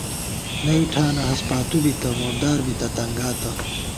نئ ٹھانہ ہست پاتُو بِتہ ، مُردار بِتہ ، تنگاتہ